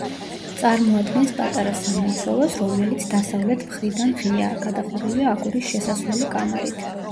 წარმოადგენს პატარა სამლოცველოს, რომელიც დასავლეთ მხრიდან ღიაა, გადახურულია აგურის შესასვლელი კამარით.